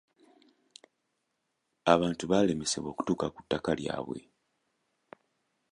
Abantu baalemesebwa okutuuka ku ttaka lyabwe.